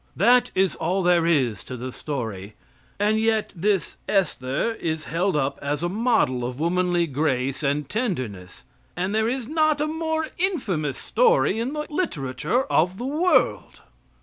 That is all there is to the story. And yet this Esther is held up as a model of womanly grace and tenderness, and there is not a more infamous story in the literature of the world.